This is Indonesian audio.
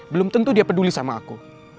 belum tentu dia peduli sama aku